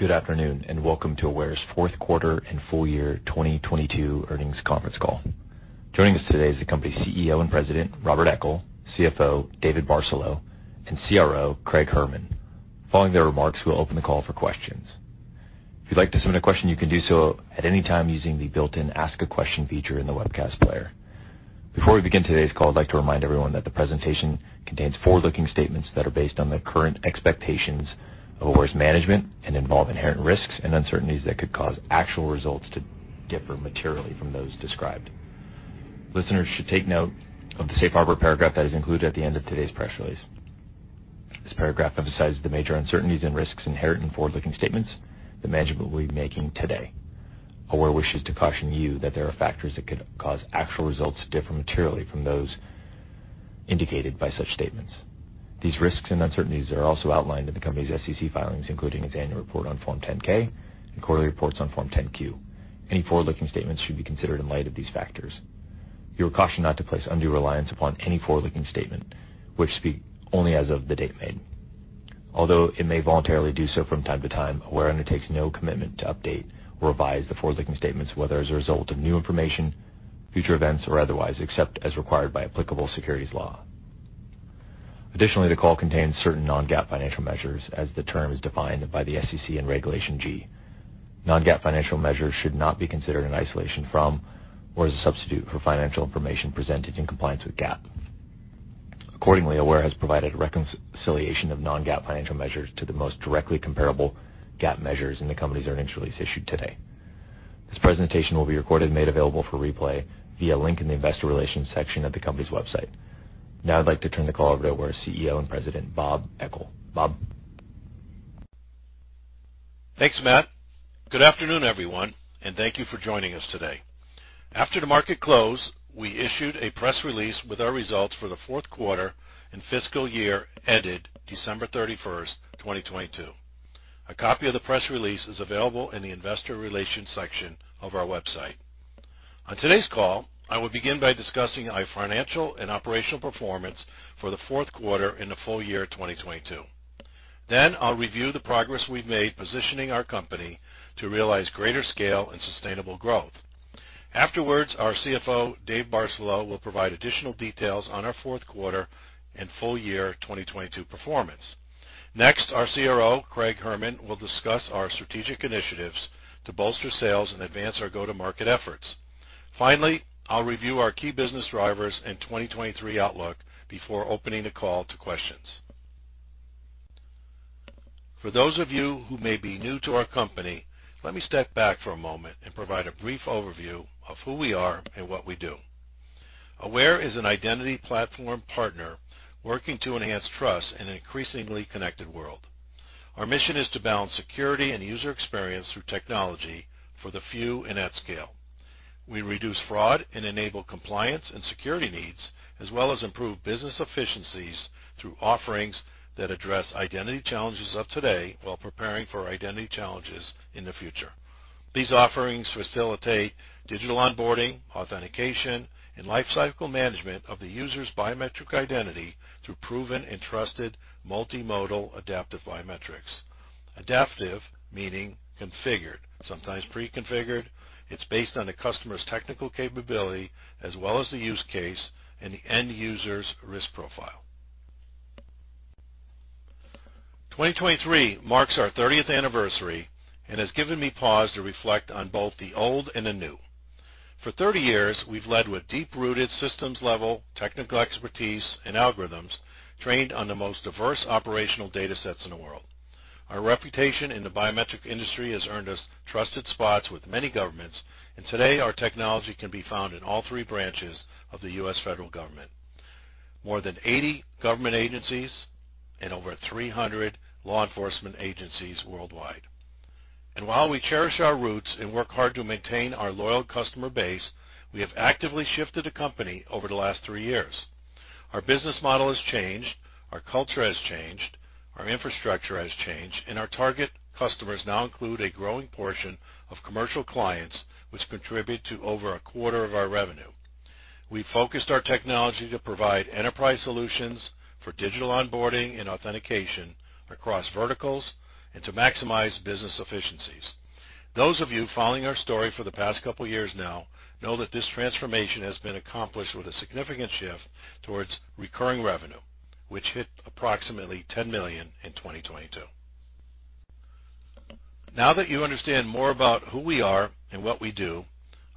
Good afternoon, welcome to Aware's Fourth Quarter and Full Year 2022 Earnings Conference Call. Joining us today is the company's CEO and President, Robert Eckel, CFO, David Barcelo, and CRO, Craig Herman. Following their remarks, we'll open the call for questions. If you'd like to submit a question, you can do so at any time using the built-in ask-a-question feature in the webcast player. Before we begin today's call, I'd like to remind everyone that the presentation contains forward-looking statements that are based on the current expectations of Aware's management and involve inherent risks and uncertainties that could cause actual results to differ materially from those described. Listeners should take note of the safe harbor paragraph that is included at the end of today's press release. This paragraph emphasizes the major uncertainties and risks inherent in forward-looking statements that management will be making today. Aware wishes to caution you that there are factors that could cause actual results to differ materially from those indicated by such statements. These risks and uncertainties are also outlined in the company's SEC filings, including its annual report on Form 10-K and quarterly reports on Form 10-Q. Any forward-looking statements should be considered in light of these factors. You are cautioned not to place undue reliance upon any forward-looking statement, which speak only as of the date made. Although it may voluntarily do so from time to time, Aware undertakes no commitment to update or revise the forward-looking statements, whether as a result of new information, future events or otherwise, except as required by applicable securities law. Additionally, the call contains certain non-GAAP financial measures as the term is defined by the SEC and Regulation G. Non-GAAP financial measures should not be considered in isolation from or as a substitute for financial information presented in compliance with GAAP. Accordingly, Aware has provided reconciliation of non-GAAP financial measures to the most directly comparable GAAP measures in the company's earnings release issued today. This presentation will be recorded and made available for replay via a link in the investor relations section of the company's website. Now I'd like to turn the call over to Aware's CEO and President, Bob Eckel. Bob. Thanks, Matt. Good afternoon, everyone. Thank you for joining us today. After the market close, we issued a press release with our results for the fourth quarter and fiscal year ended December 31st, 2022. A copy of the press release is available in the investor relations section of our website. On today's call, I will begin by discussing our financial and operational performance for the fourth quarter in the full year 2022. I'll review the progress we've made positioning our company to realize greater scale and sustainable growth. Afterwards, our CFO, Dave Barcelo, will provide additional details on our fourth quarter and full year 2022 performance. Our CRO, Craig Herman, will discuss our strategic initiatives to bolster sales and advance our go-to-market efforts. I'll review our key business drivers and 2023 outlook before opening the call to questions. For those of you who may be new to our company, let me step back for a moment and provide a brief overview of who we are and what we do. Aware is an identity platform partner working to enhance trust in an increasingly connected world. Our mission is to balance security and user experience through technology for the few and at scale. We reduce fraud and enable compliance and security needs, as well as improve business efficiencies through offerings that address identity challenges of today while preparing for identity challenges in the future. These offerings facilitate digital onboarding, authentication, and lifecycle management of the user's biometric identity through proven and trusted multimodal adaptive biometrics. Adaptive, meaning configured, sometimes pre-configured. It's based on the customer's technical capability as well as the use case and the end user's risk profile. 2023 marks our 30th anniversary and has given me pause to reflect on both the old and the new. For 30 years, we've led with deep-rooted systems-level technical expertise and algorithms trained on the most diverse operational data sets in the world. Our reputation in the biometric industry has earned us trusted spots with many governments. Today our technology can be found in all three branches of the U.S. federal government, more than 80 government agencies and over 300 law enforcement agencies worldwide. While we cherish our roots and work hard to maintain our loyal customer base, we have actively shifted the company over the last three years. Our business model has changed, our culture has changed, our infrastructure has changed, and our target customers now include a growing portion of commercial clients, which contribute to over a quarter of our revenue. We focused our technology to provide enterprise solutions for digital onboarding and authentication across verticals and to maximize business efficiencies. Those of you following our story for the past couple years now know that this transformation has been accomplished with a significant shift towards recurring revenue, which hit approximately $10 million in 2022. Now that you understand more about who we are and what we do,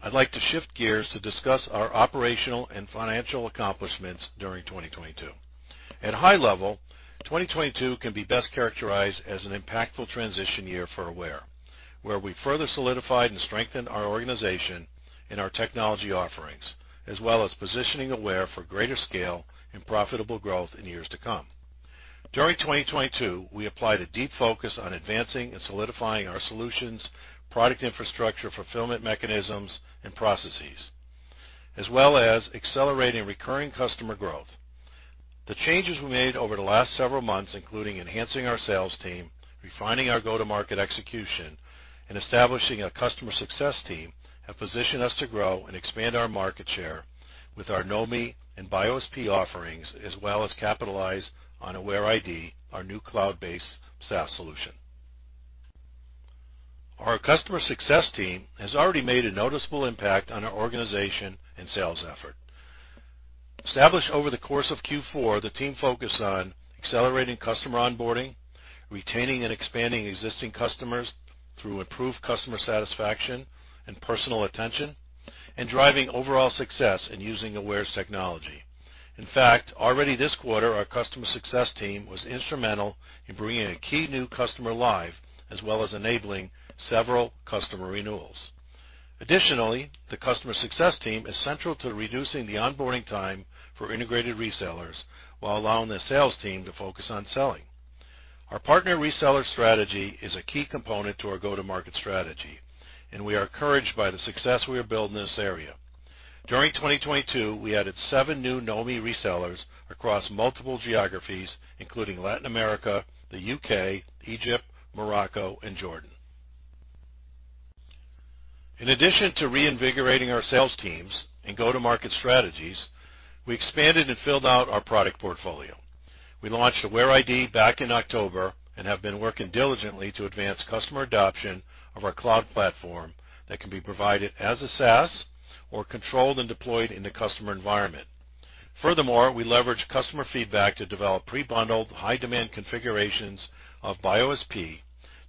I'd like to shift gears to discuss our operational and financial accomplishments during 2022. At a high level, 2022 can be best characterized as an impactful transition year for Aware, where we further solidified and strengthened our organization and our technology offerings, as well as positioning Aware for greater scale and profitable growth in years to come. During 2022, we applied a deep focus on advancing and solidifying our solutions, product infrastructure, fulfillment mechanisms, and processes, as well as accelerating recurring customer growth. The changes we made over the last several months, including enhancing our sales team, refining our go-to-market execution, and establishing a customer success team, have positioned us to grow and expand our market share with our Knomi and BioSP offerings, as well as capitalize on AwareID, our new cloud-based SaaS solution. Our customer success team has already made a noticeable impact on our organization and sales effort. Established over the course of Q4, the team focused on accelerating customer onboarding, retaining and expanding existing customers through improved customer satisfaction and personal attention, and driving overall success in using Aware's technology. In fact, already this quarter, our customer success team was instrumental in bringing a key new customer live, as well as enabling several customer renewals. Additionally, the customer success team is central to reducing the onboarding time for integrated resellers while allowing the sales team to focus on selling. Our partner reseller strategy is a key component to our go-to-market strategy. We are encouraged by the success we are building in this area. During 2022, we added seven new Knomi resellers across multiple geographies, including Latin America, the U.K., Egypt, Morocco, and Jordan. In addition to reinvigorating our sales teams and go-to-market strategies, we expanded and filled out our product portfolio. We launched AwareID back in October and have been working diligently to advance customer adoption of our cloud platform that can be provided as a SaaS or controlled and deployed in the customer environment. Furthermore, we leverage customer feedback to develop pre-bundled high-demand configurations of BioSP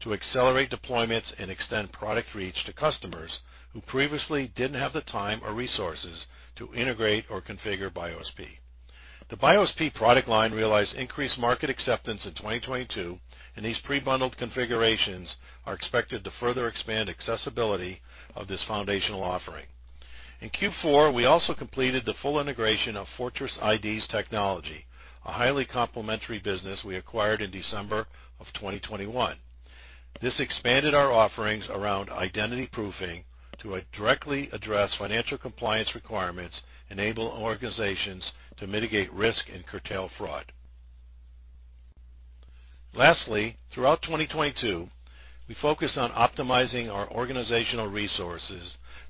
to accelerate deployments and extend product reach to customers who previously didn't have the time or resources to integrate or configure BioSP. The BioSP product line realized increased market acceptance in 2022, and these pre-bundled configurations are expected to further expand accessibility of this foundational offering. In Q4, we also completed the full integration of Fortress Identity's technology, a highly complementary business we acquired in December of 2021. This expanded our offerings around identity proofing to directly address financial compliance requirements, enable organizations to mitigate risk and curtail fraud. Throughout 2022, we focused on optimizing our organizational resources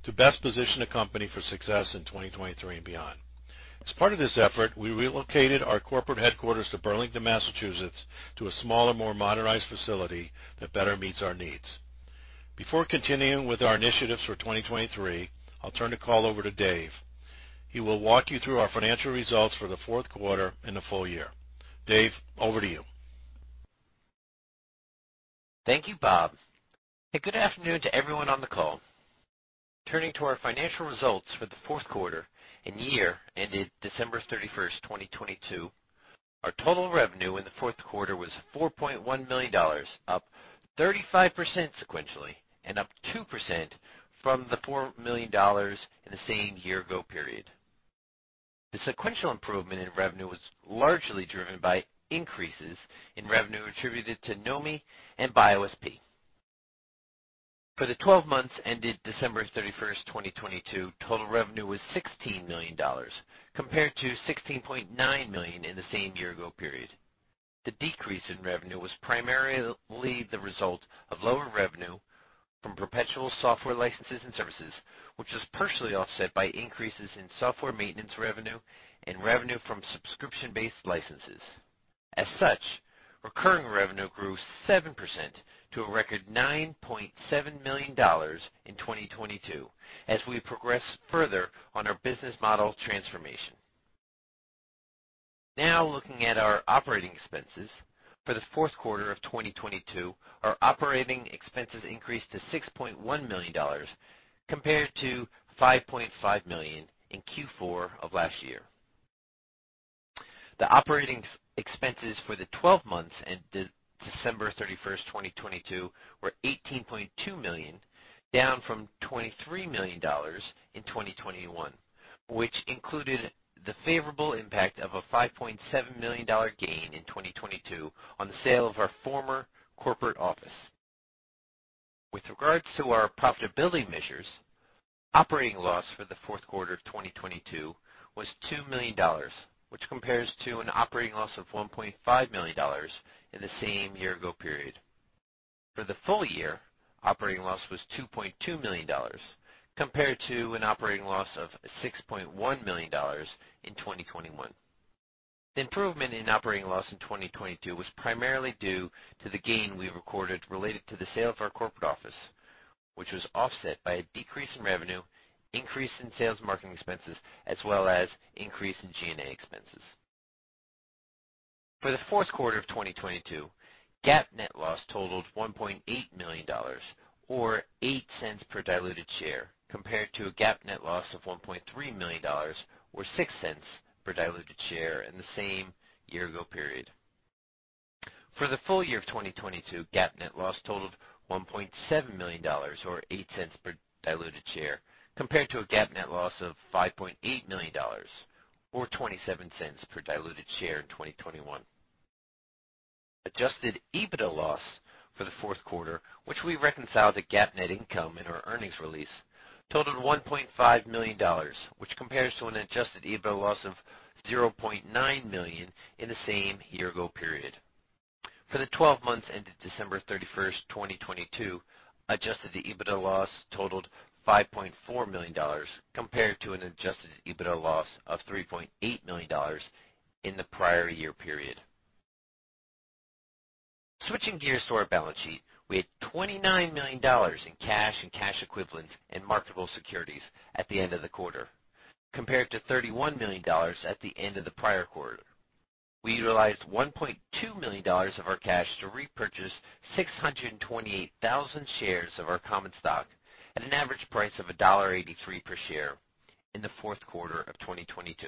to best position the company for success in 2023 and beyond. As part of this effort, we relocated our corporate headquarters to Burlington, Massachusetts, to a smaller, more modernized facility that better meets our needs. Before continuing with our initiatives for 2023, I'll turn the call over to Dave. He will walk you through our financial results for the fourth quarter and the full year. Dave, over to you. Thank you, Bob. Good afternoon to everyone on the call. Turning to our financial results for the fourth quarter and year ended December 31, 2022. Our total revenue in the fourth quarter was $4.1 million, up 35% sequentially and up 2% from the $4 million in the same year ago period. The sequential improvement in revenue was largely driven by increases in revenue attributed to Knomi and BioSP. For the 12 months ended December 31, 2022, total revenue was $16 million compared to $16.9 million in the same year ago period. The decrease in revenue was primarily the result of lower revenue from perpetual software licenses and services, which was partially offset by increases in software maintenance revenue and revenue from subscription-based licenses. Recurring revenue grew 7% to a record $9.7 million in 2022 as we progress further on our business model transformation. Looking at our OpEx. For the fourth quarter of 2022, our OpEx increased to $6.1 million compared to $5.5 million in Q4 of last year. The OpEx for the 12 months ended December 31st, 2022 were $18.2 million, down from $23 million in 2021, which included the favorable impact of a $5.7 million gain in 2022 on the sale of our former corporate office. With regards to our profitability measures, operating loss for the fourth quarter of 2022 was $2 million, which compares to an operating loss of $1.5 million in the same year-ago period. For the full year, operating loss was $2.2 million compared to an operating loss of $6.1 million in 2021. The improvement in operating loss in 2022 was primarily due to the gain we recorded related to the sale of our corporate office, which was offset by a decrease in revenue, increase in sales marketing expenses, as well as increase in G&A expenses. For the fourth quarter of 2022, GAAP net loss totaled $1.8 million or $0.08 per diluted share, compared to a GAAP net loss of $1.3 million or $0.06 per diluted share in the same year-ago period. For the full year of 2022, GAAP net loss totaled $1.7 million or $0.08 per diluted share, compared to a GAAP net loss of $5.8 million or $0.27 per diluted share in 2021. Adjusted EBITDA loss for the fourth quarter, which we reconcile to GAAP net income in our earnings release, totaled $1.5 million, which compares to an Adjusted EBITDA loss of $0.9 million in the same year ago period. For the 12 months ended December 31st, 2022, Adjusted EBITDA loss totaled $5.4 million, compared to an Adjusted EBITDA loss of $3.8 million in the prior year period. Switching gears to our balance sheet, we had $29 million in cash and cash equivalents in marketable securities at the end of the quarter, compared to $31 million at the end of the prior quarter. We utilized $1.2 million of our cash to repurchase 628,000 shares of our common stock at an average price of $1.83 per share in the fourth quarter of 2022,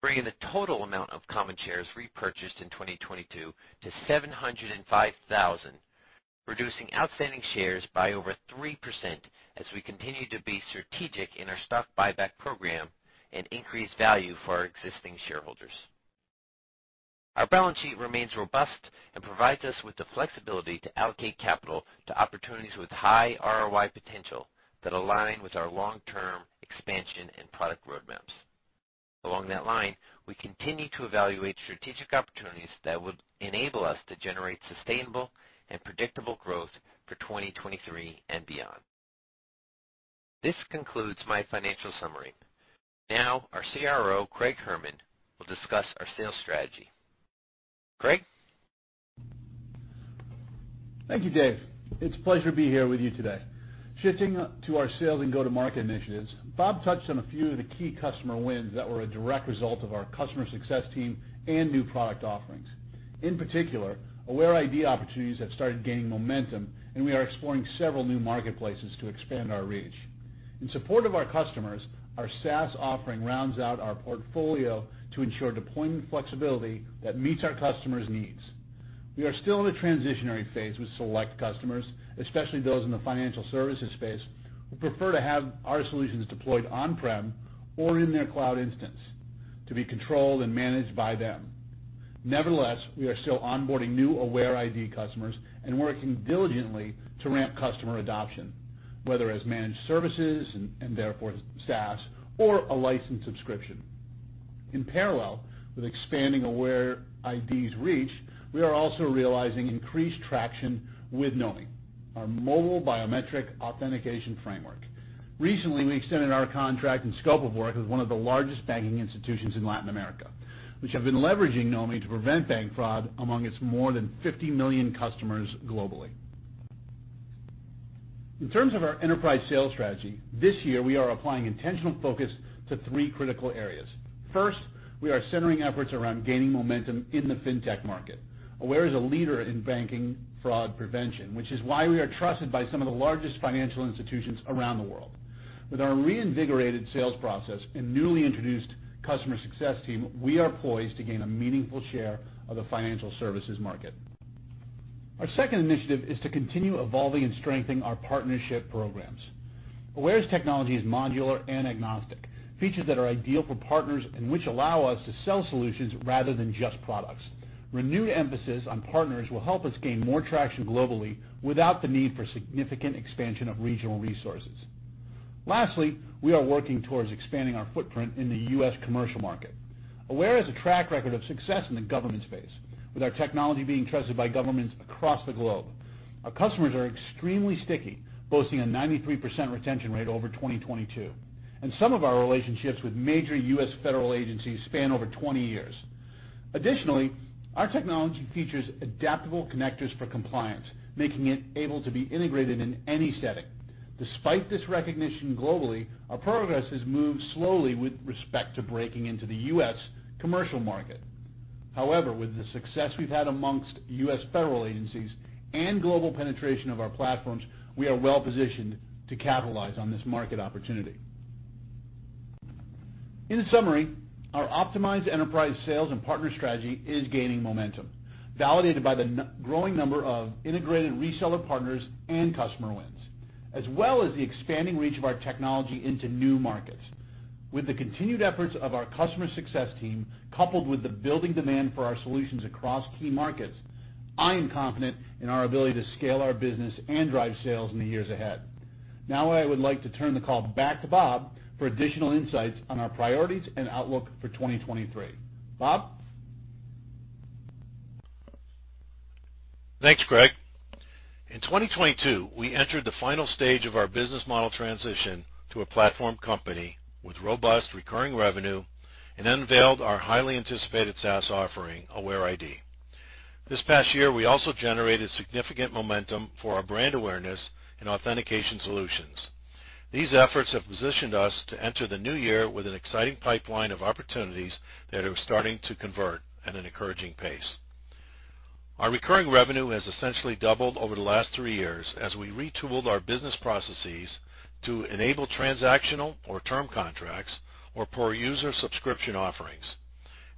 bringing the total amount of common shares repurchased in 2022 to 705,000, reducing outstanding shares by over 3% as we continue to be strategic in our stock buyback program and increase value for our existing shareholders. Our balance sheet remains robust and provides us with the flexibility to allocate capital to opportunities with high ROI potential that align with our long-term expansion and product roadmaps. Along that line, we continue to evaluate strategic opportunities that would enable us to generate sustainable and predictable growth for 2023 and beyond. This concludes my financial summary. Now, our CRO, Craig Herman, will discuss our sales strategy. Craig. Thank you, Dave. It's a pleasure to be here with you today. Shifting to our sales and go-to-market initiatives, Bob touched on a few of the key customer wins that were a direct result of our customer success team and new product offerings. In particular, AwareID opportunities have started gaining momentum, and we are exploring several new marketplaces to expand our reach. In support of our customers, our SaaS offering rounds out our portfolio to ensure deployment flexibility that meets our customers' needs. We are still in a transitionary phase with select customers, especially those in the financial services space, who prefer to have our solutions deployed on-prem or in their cloud instance to be controlled and managed by them. Nevertheless, we are still onboarding new AwareID customers and working diligently to ramp customer adoption, whether as managed services, and therefore SaaS or a license subscription. In parallel with expanding AwareID's reach, we are also realizing increased traction with Knomi, our mobile biometric authentication framework. Recently, we extended our contract and scope of work with one of the largest banking institutions in Latin America, which have been leveraging Knomi to prevent bank fraud among its more than 50 million customers globally. In terms of our enterprise sales strategy, this year we are applying intentional focus to three critical areas. First, we are centering efforts around gaining momentum in the fintech market. Aware is a leader in banking fraud prevention, which is why we are trusted by some of the largest financial institutions around the world. With our reinvigorated sales process and newly introduced customer success team, we are poised to gain a meaningful share of the financial services market. Our second initiative is to continue evolving and strengthening our partnership programs. Aware's technology is modular and agnostic, features that are ideal for partners and which allow us to sell solutions rather than just products. Renewed emphasis on partners will help us gain more traction globally without the need for significant expansion of regional resources. Lastly, we are working towards expanding our footprint in the U.S. commercial market. Aware has a track record of success in the government space, with our technology being trusted by governments across the globe. Our customers are extremely sticky, boasting a 93% retention rate over 2022, and some of our relationships with major U.S. federal agencies span over 20 years. Our technology features adaptable connectors for compliance, making it able to be integrated in any setting. Despite this recognition globally, our progress has moved slowly with respect to breaking into the U.S. commercial market. However, with the success we've had amongst U.S. federal agencies and global penetration of our platforms, we are well-positioned to capitalize on this market opportunity. In summary, our optimized enterprise sales and partner strategy is gaining momentum, validated by the growing number of integrated reseller partners and customer wins, as well as the expanding reach of our technology into new markets. With the continued efforts of our customer success team, coupled with the building demand for our solutions across key markets, I am confident in our ability to scale our business and drive sales in the years ahead. Now, I would like to turn the call back to Bob for additional insights on our priorities and outlook for 2023. Bob. Thanks, Craig. In 2022, we entered the final stage of our business model transition to a platform company with robust recurring revenue and unveiled our highly anticipated SaaS offering, AwareID. This past year, we also generated significant momentum for our brand awareness and authentication solutions. These efforts have positioned us to enter the new year with an exciting pipeline of opportunities that are starting to convert at an encouraging pace. Our recurring revenue has essentially doubled over the last three years as we retooled our business processes to enable transactional or term contracts or per-user subscription offerings.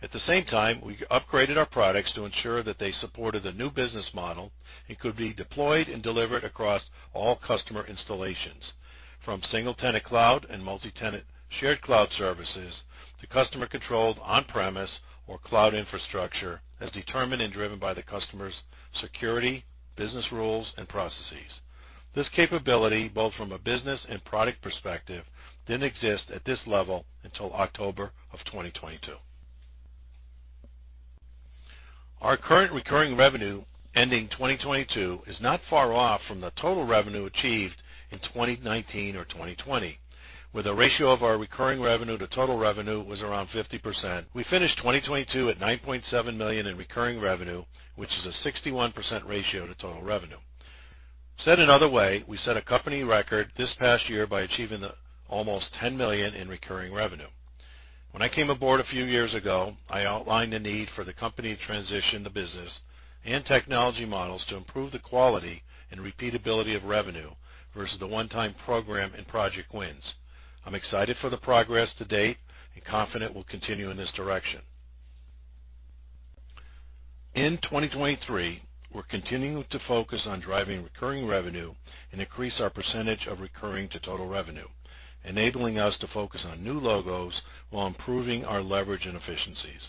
At the same time, we upgraded our products to ensure that they supported the new business model and could be deployed and delivered across all customer installations from single-tenant cloud and multi-tenant shared cloud services to customer-controlled on-premise or cloud infrastructure as determined and driven by the customer's security, business rules, and processes. This capability, both from a business and product perspective, didn't exist at this level until October of 2022. Our current recurring revenue ending 2022 is not far off from the total revenue achieved in 2019 or 2020, where the ratio of our recurring revenue to total revenue was around 50%. We finished 2022 at $9.7 million in recurring revenue, which is a 61% ratio to total revenue. Said another way, we set a company record this past year by achieving the almost $10 million in recurring revenue. When I came aboard a few years ago, I outlined the need for the company to transition the business and technology models to improve the quality and repeatability of revenue versus the one-time program and project wins. I'm excited for the progress to date and confident we'll continue in this direction. In 2023, we're continuing to focus on driving recurring revenue and increase our percentage of recurring to total revenue, enabling us to focus on new logos while improving our leverage and efficiencies.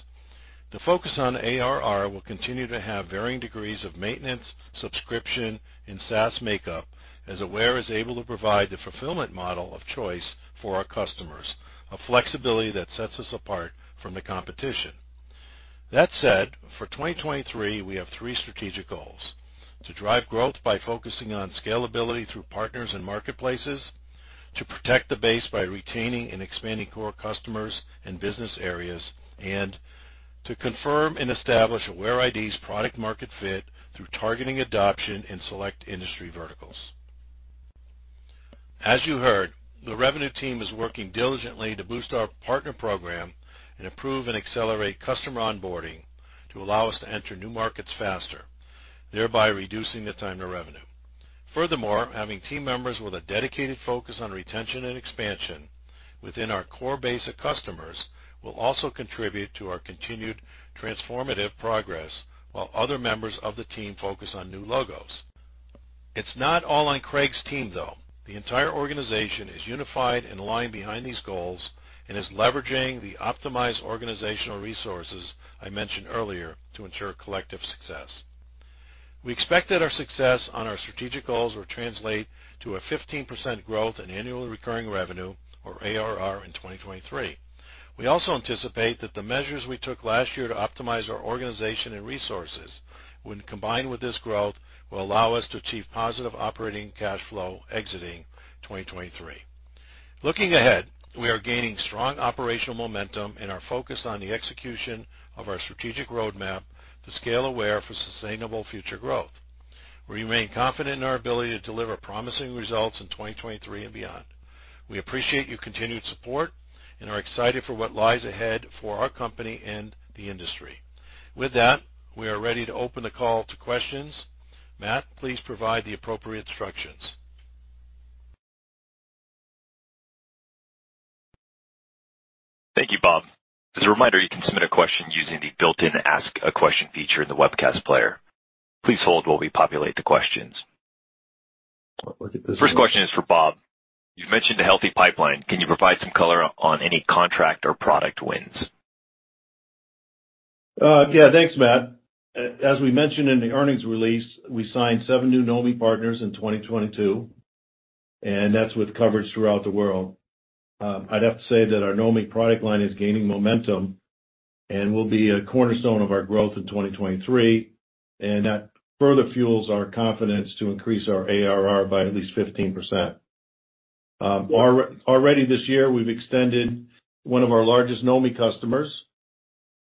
The focus on ARR will continue to have varying degrees of maintenance, subscription, and SaaS makeup as Aware is able to provide the fulfillment model of choice for our customers, a flexibility that sets us apart from the competition. For 2023, we have three strategic goals: to drive growth by focusing on scalability through partners and marketplaces, to protect the base by retaining and expanding core customers and business areas, and to confirm and establish AwareID's product market fit through targeting adoption in select industry verticals. As you heard, the revenue team is working diligently to boost our partner program and improve and accelerate customer onboarding to allow us to enter new markets faster, thereby reducing the time to revenue. Having team members with a dedicated focus on retention and expansion within our core base of customers will also contribute to our continued transformative progress while other members of the team focus on new logos. It's not all on Craig Herman's team, though. The entire organization is unified and aligned behind these goals and is leveraging the optimized organizational resources I mentioned earlier to ensure collective success. We expect that our success on our strategic goals will translate to a 15% growth in annual recurring revenue or ARR in 2023. We also anticipate that the measures we took last year to optimize our organization and resources, when combined with this growth, will allow us to achieve positive operating cash flow exiting 2023. Looking ahead, we are gaining strong operational momentum and are focused on the execution of our strategic roadmap to scale Aware for sustainable future growth. We remain confident in our ability to deliver promising results in 2023 and beyond. We appreciate your continued support and are excited for what lies ahead for our company and the industry. We are ready to open the call to questions. Matt, please provide the appropriate instructions. Thank you, Bob. As a reminder, you can submit a question using the built-in Ask a Question feature in the webcast player. Please hold while we populate the questions. First question is for Bob. You've mentioned a healthy pipeline. Can you provide some color on any contract or product wins? Yeah, thanks, Matt. As we mentioned in the earnings release, we signed seven new Knomi partners in 2022. That's with coverage throughout the world. I'd have to say that our Knomi product line is gaining momentum and will be a cornerstone of our growth in 2023. That further fuels our confidence to increase our ARR by at least 15%. Already this year, we've extended one of our largest Knomi customers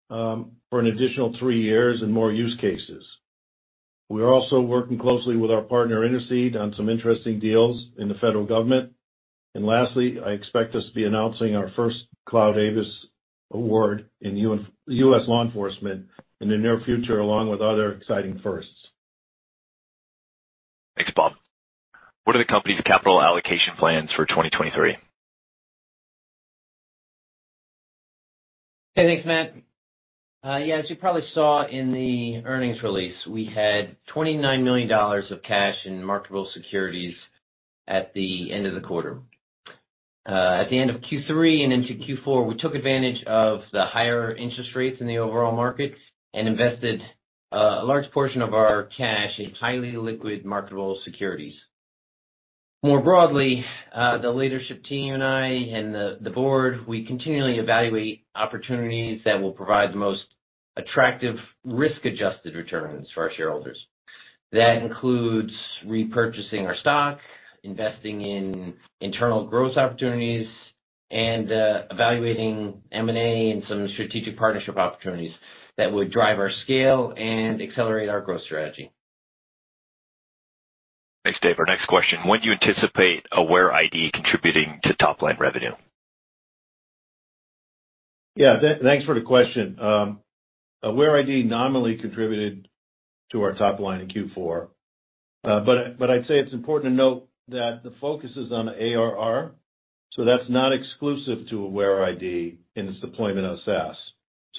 for an additional three years and more use cases. We are also working closely with our partner, Intercede, on some interesting deals in the federal government. Lastly, I expect us to be announcing our first Cloud ABIS award in U.S. law enforcement in the near future, along with other exciting firsts. Thanks, Bob. What are the company's capital allocation plans for 2023? Hey, thanks, Matt. Yeah, as you probably saw in the earnings release, we had $29 million of cash in marketable securities at the end of the quarter. At the end of Q3 and into Q4, we took advantage of the higher interest rates in the overall market and invested a large portion of our cash in highly liquid marketable securities. More broadly, the leadership team and I and the board, we continually evaluate opportunities that will provide the most attractive risk-adjusted returns for our shareholders. That includes repurchasing our stock, investing in internal growth opportunities, and evaluating M&A and some strategic partnership opportunities that would drive our scale and accelerate our growth strategy. Thanks, Dave. Our next question: when do you anticipate AwareID contributing to top-line revenue? Yeah, thanks for the question. AwareID nominally contributed to our top line in Q4. I'd say it's important to note that the focus is on ARR, so that's not exclusive to AwareID and its deployment on SaaS.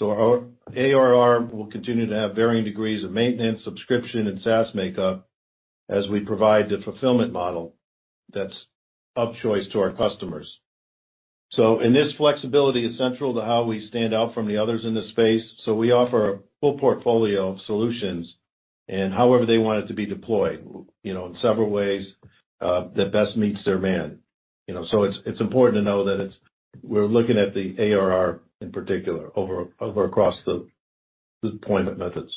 Our ARR will continue to have varying degrees of maintenance, subscription, and SaaS makeup as we provide the fulfillment model that's of choice to our customers. This flexibility is central to how we stand out from the others in this space. We offer a full portfolio of solutions and however they want it to be deployed, you know, in several ways that best meets their WAN. You know? It's important to know that we're looking at the ARR in particular across the deployment methods.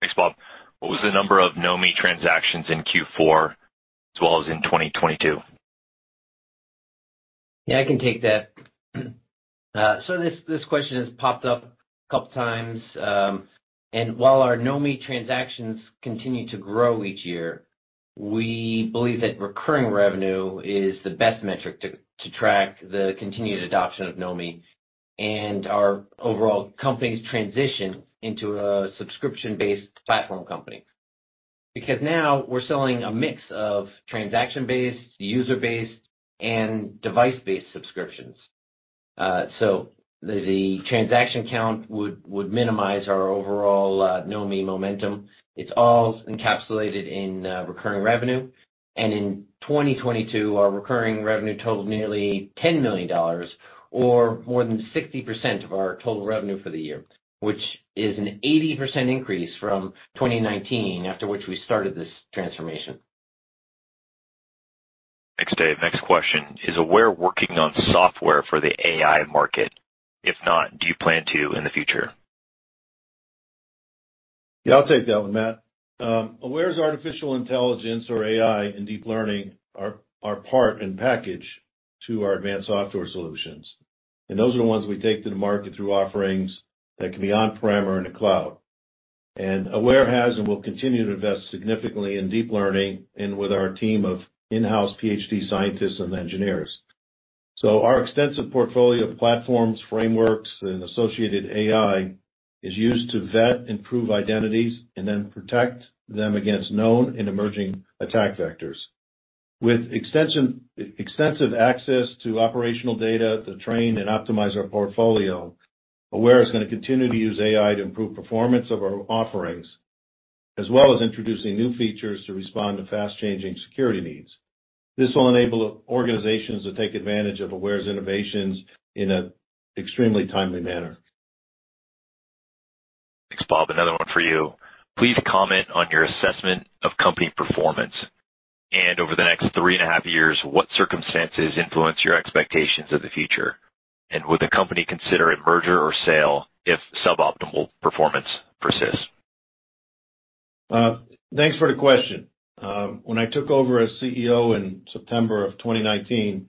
Thanks, Bob. What was the number of Knomi transactions in Q4 as well as in 2022? Yeah, I can take that. This question has popped up a couple times. While our Knomi transactions continue to grow each year, we believe that recurring revenue is the best metric to track the continued adoption of Knomi and our overall company's transition into a subscription-based platform company. Because now we're selling a mix of transaction-based, user-based, and device-based subscriptions. The transaction count would minimize our overall Knomi momentum. It's all encapsulated in recurring revenue. In 2022, our recurring revenue totaled nearly $10 million or more than 60% of our total revenue for the year, which is an 80% increase from 2019, after which we started this transformation. Thanks, Dave. Next question: Is Aware working on software for the AI market? If not, do you plan to in the future? Yeah, I'll take that one, Matt. Aware's artificial intelligence or AI and deep learning are part and package to our advanced software solutions. Those are the ones we take to the market through offerings that can be on-prem or in the cloud. Aware has and will continue to invest significantly in deep learning and with our team of in-house PhD scientists and engineers. Our extensive portfolio of platforms, frameworks, and associated AI is used to vet, improve identities, and then protect them against known and emerging attack vectors. With extensive access to operational data to train and optimize our portfolio, Aware is gonna continue to use AI to improve performance of our offerings, as well as introducing new features to respond to fast-changing security needs. This will enable organizations to take advantage of Aware's innovations in an extremely timely manner. Thanks, Bob. Another one for you. Please comment on your assessment of company performance. Over the next three and a half years, what circumstances influence your expectations of the future? Would the company consider a merger or sale if suboptimal performance persists? Thanks for the question. When I took over as CEO in September of 2019,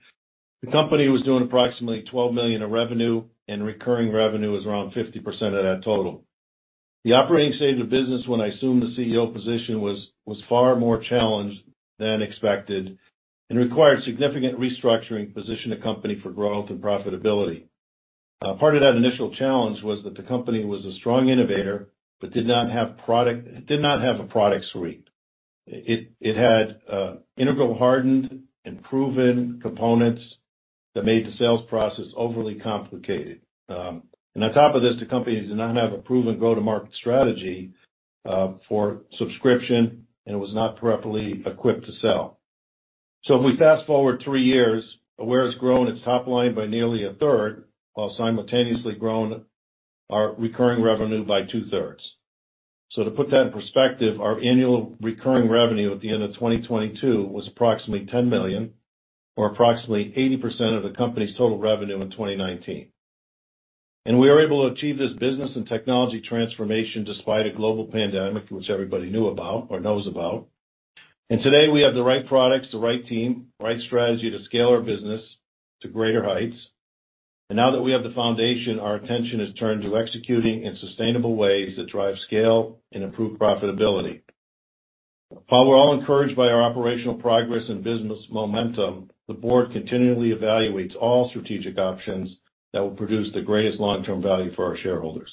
the company was doing approximately $12 million in revenue, and recurring revenue was around 50% of that total. The operating state of the business when I assumed the CEO position was far more challenged than expected and required significant restructuring to position the company for growth and profitability. Part of that initial challenge was that the company was a strong innovator but did not have a product suite. It had integral hardened and proven components that made the sales process overly complicated. On top of this, the company did not have a proven go-to-market strategy for subscription, and it was not properly equipped to sell. If we fast-forward three years, Aware has grown its top line by nearly a third while simultaneously grown our recurring revenue by 2/3. To put that in perspective, our annual recurring revenue at the end of 2022 was approximately $10 million or approximately 80% of the company's total revenue in 2019. We were able to achieve this business and technology transformation despite a global pandemic, which everybody knew about or knows about. Today we have the right products, the right team, right strategy to scale our business to greater heights. Now that we have the foundation, our attention is turned to executing in sustainable ways that drive scale and improve profitability. While we're all encouraged by our operational progress and business momentum, the board continually evaluates all strategic options that will produce the greatest long-term value for our shareholders.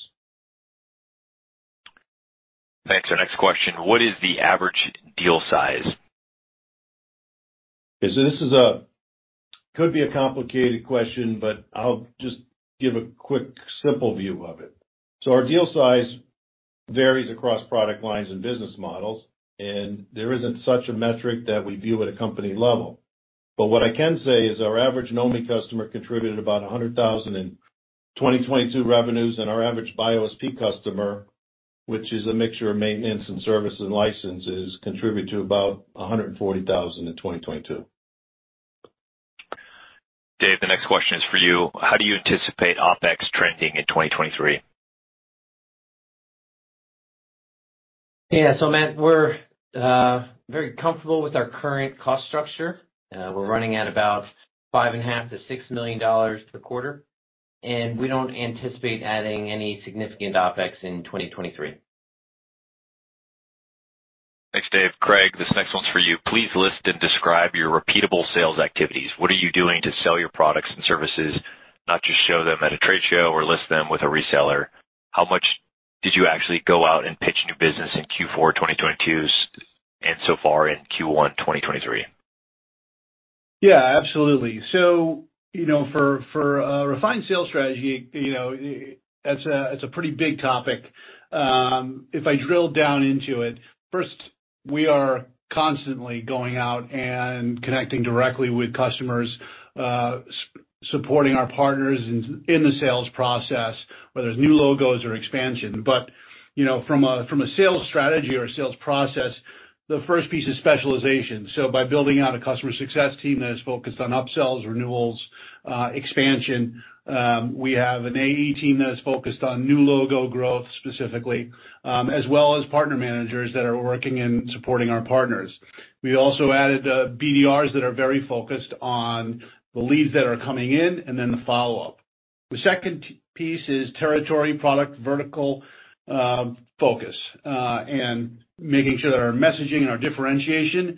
Thanks. Our next question: What is the average deal size? This could be a complicated question, but I'll just give a quick simple view of it. Our deal size varies across product lines and business models, and there isn't such a metric that we view at a company level. What I can say is our average Knomi customer contributed about $100,000 in 2022 revenues, and our average BioSP customer, which is a mixture of maintenance and service and licenses, contributed to about $140,000 in 2022. Dave, the next question is for you. How do you anticipate OpEx trending in 2023? Yeah. Matt, we're very comfortable with our current cost structure. We're running at about $5.5 million-$6 million per quarter. We don't anticipate adding any significant OpEx in 2023. Thanks, Dave. Craig, this next one's for you. Please list and describe your repeatable sales activities. What are you doing to sell your products and services, not just show them at a trade show or list them with a reseller? How much did you actually go out and pitch new business in Q4 2022 and so far in Q1 2023? Absolutely. You know, for a refined sales strategy, you know, it's a, it's a pretty big topic. If I drill down into it, first, we are constantly going out and connecting directly with customers, supporting our partners in the sales process, whether it's new logos or expansion. You know, from a, from a sales strategy or sales process, the first piece is specialization. By building out a customer success team that is focused on upsells, renewals, expansion, we have an AE team that is focused on new logo growth specifically, as well as partner managers that are working in supporting our partners. We also added BDRs that are very focused on the leads that are coming in and then the follow-up. The second piece is territory product vertical focus and making sure that our messaging and our differentiation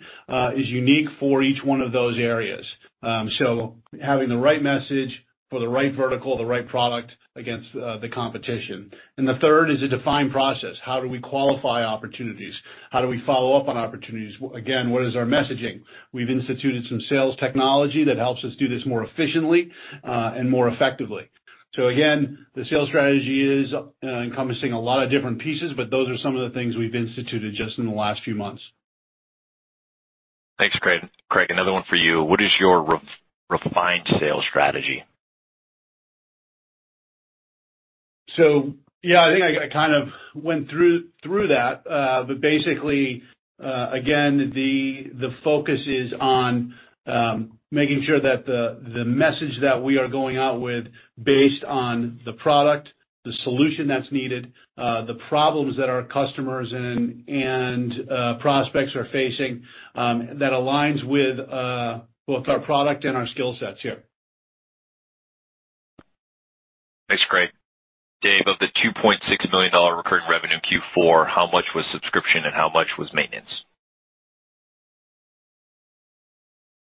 is unique for each one of those areas. Having the right message for the right vertical, the right product against the competition. The third is a defined process. How do we qualify opportunities? How do we follow up on opportunities? Again, what is our messaging? We've instituted some sales technology that helps us do this more efficiently and more effectively. Again, the sales strategy is encompassing a lot of different pieces, but those are some of the things we've instituted just in the last few months. Thanks, Craig. Craig, another one for you. What is your re-refined sales strategy? Yeah, I think I kind of went through that. Basically, again, the focus is on making sure that the message that we are going out with based on the product, the solution that's needed, the problems that our customers and prospects are facing, that aligns with both our product and our skill sets, yeah. Thanks, Craig. Dave, of the $2.6 million recurring revenue in Q4, how much was subscription and how much was maintenance?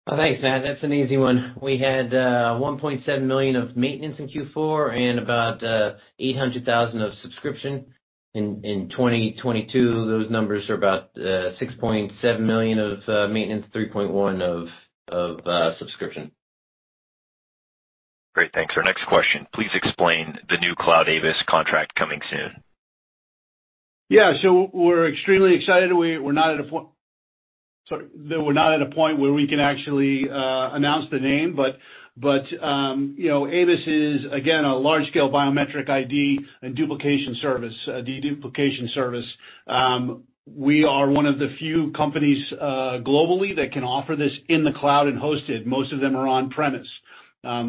Thanks, Matt. That's an easy one. We had $1.7 million of maintenance in Q4 and about $800,000 of subscription. In 2022, those numbers are about $6.7 million of maintenance, $3.1 million of subscription. Great. Thanks. Our next question: Please explain the new Cloud ABIS contract coming soon. We're extremely excited. We're not at a point where we can actually announce the name. But, you know, ABIS is, again, a large-scale biometric ID and duplication service, a deduplication service. We are one of the few companies globally that can offer this in the cloud and hosted. Most of them are on-premise.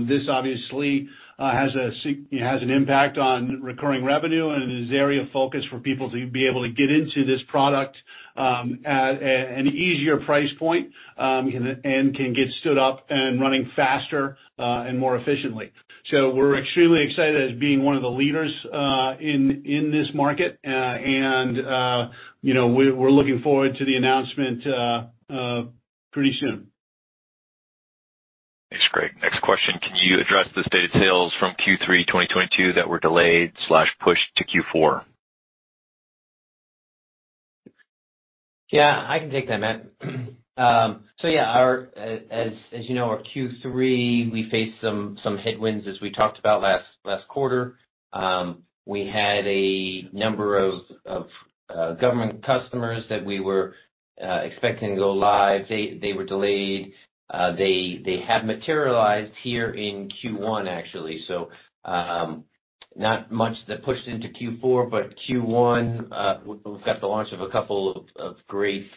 This obviously has an impact on recurring revenue and is an area of focus for people to be able to get into this product at an easier price point and can get stood up and running faster and more efficiently. We're extremely excited as being one of the leaders in this market, and, you know, we're looking forward to the announcement pretty soon. Thanks, Craig. Next question: Can you address the state of sales from Q3, 2022 that were delayed slash pushed to Q4? Yeah, I can take that, Matt. As you know, our Q3, we faced some headwinds as we talked about last quarter. We had a number of government customers that we were expecting to go live. They were delayed. They have materialized here in Q1, actually. Not much that pushed into Q4, but Q1, we've got the launch of a couple of great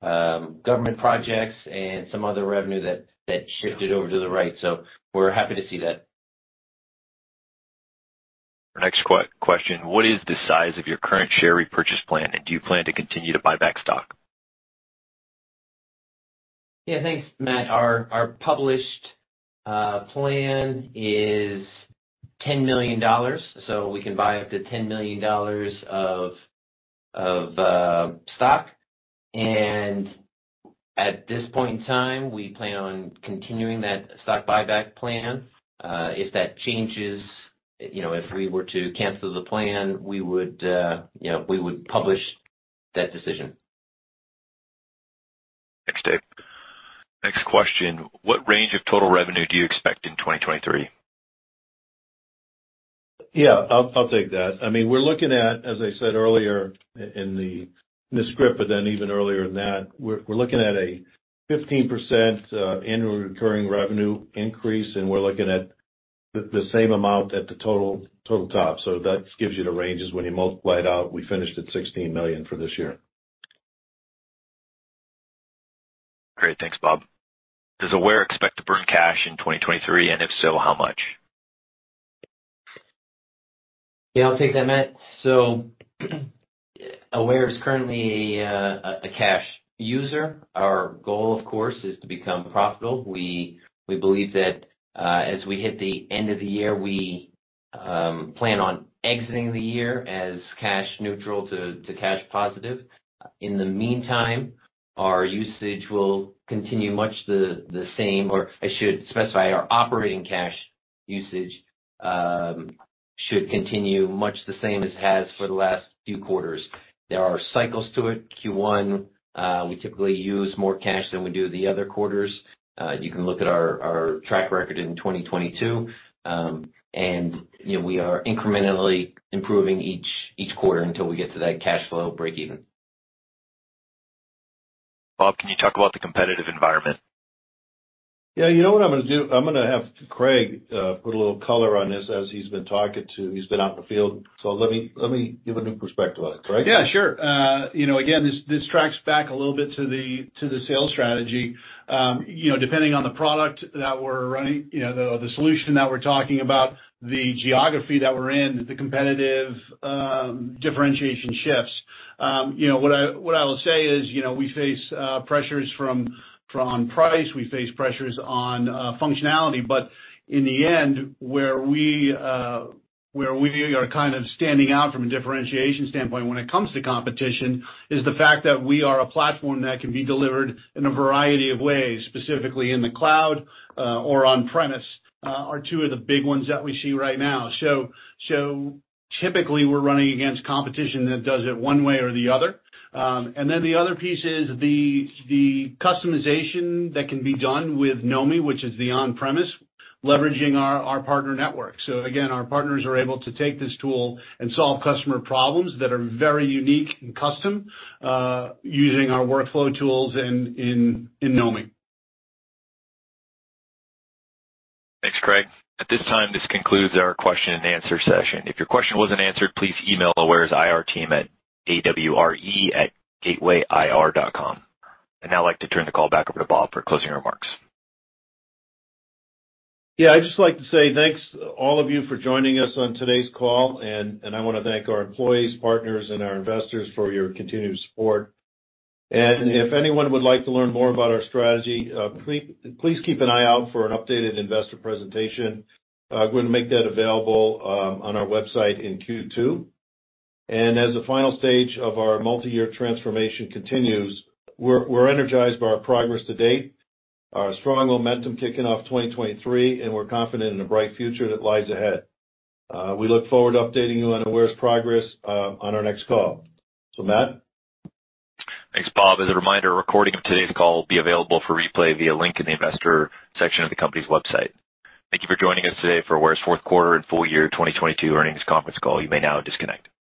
government projects and some other revenue that shifted over to the right. We're happy to see that. Next question: What is the size of your current share repurchase plan? Do you plan to continue to buy back stock? Yeah, thanks, Matt. Our published plan is $10 million, so we can buy up to $10 million of stock. At this point in time, we plan on continuing that stock buyback plan. If that changes, you know, if we were to cancel the plan, we would, you know, we would publish that decision. Thanks, Dave. Next question: What range of total revenue do you expect in 2023? Yeah, I'll take that. I mean, we're looking at, as I said earlier in the, in the script, but then even earlier than that, we're looking at a 15% annual recurring revenue increase, and we're looking at the same amount at the total top. That gives you the ranges. When you multiply it out, we finished at $16 million for this year. Great. Thanks, Bob. Does Aware expect to burn cash in 2023, and if so, how much? Yeah, I'll take that, Matt. Aware is currently a cash user. Our goal, of course, is to become profitable. We believe that as we hit the end of the year, we plan on exiting the year as cash neutral to cash positive. In the meantime, our usage will continue much the same or I should specify, our operating cash usage should continue much the same as it has for the last few quarters. There are cycles to it. Q1, we typically use more cash than we do the other quarters. You can look at our track record in 2022. You know, we are incrementally improving each quarter until we get to that cash flow breakeven. Bob, can you talk about the competitive environment? Yeah. You know what I'm gonna do? I'm gonna have Craig put a little color on this as he's been out in the field. Let me give a new perspective on it. Craig? Yeah, sure. You know, again, this tracks back a little bit to the sales strategy. You know, depending on the product that we're running, you know, the solution that we're talking about, the geography that we're in, the competitive differentiation shifts. You know, what I will say is, you know, we face pressures from price. We face pressures on functionality. In the end, where we are kind of standing out from a differentiation standpoint when it comes to competition is the fact that we are a platform that can be delivered in a variety of ways, specifically in the cloud or on-premise are two of the big ones that we see right now. Typically, we're running against competition that does it one way or the other. The other piece is the customization that can be done with Knomi, which is the on-premise, leveraging our partner network. Again, our partners are able to take this tool and solve customer problems that are very unique and custom, using our workflow tools in Knomi. Thanks, Craig. At this time, this concludes our question and answer session. If your question wasn't answered, please email Aware's IR team at AWRE@gatewayir.com. I'd now like to turn the call back over to Bob for closing remarks. Yeah, I'd just like to say thanks all of you for joining us on today's call, and I wanna thank our employees, partners, and our investors for your continued support. If anyone would like to learn more about our strategy, please keep an eye out for an updated investor presentation. We're gonna make that available on our website in Q2. As the final stage of our multi-year transformation continues, we're energized by our progress to date, our strong momentum kicking off 2023, and we're confident in a bright future that lies ahead. We look forward to updating you on Aware's progress on our next call. Matt. Thanks, Bob. As a reminder, a recording of today's call will be available for replay via link in the investor section of the company's website. Thank you for joining us today for Aware's fourth quarter and full year 2022 earnings conference call. You may now disconnect.